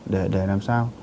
để làm sao